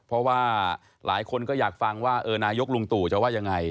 เพราะว่าหลายคนก็อยากฟังว่านายกลุงตู่จะว่ายังไง